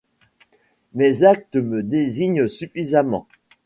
Mes actes me désignent suffisamment.